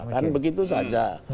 kan begitu saja